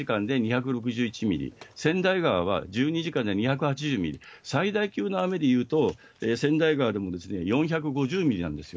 球磨川は実は１２時間で２６１ミリ、川内川は１２時間で２８０ミリ、最大級の雨でいうと、川内川でも４５０ミリなんですよ。